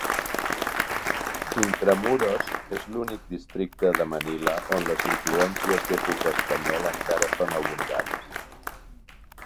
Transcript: Intramuros és l'únic districte de Manila on les influències d'època espanyola encara són abundants.